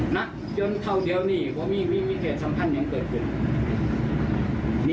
นะเดี๋ยวเขาเดี๋ยวนี้ก็มีเพศสัมพันธ์อย่างเกิดขึ้น